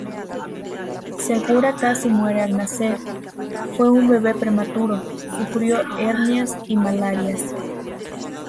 Segura casi muere al nacer, fue un bebe prematuro, sufrió hernias y malaria.